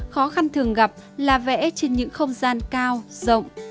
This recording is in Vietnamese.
khó khăn thường gặp là vẽ trên những không gian cao rộng